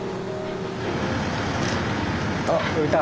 あっ浮いた。